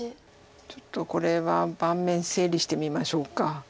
ちょっとこれは盤面整理してみましょうか。